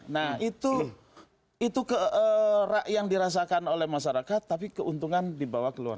nah itu yang dirasakan oleh masyarakat tapi keuntungan dibawa keluar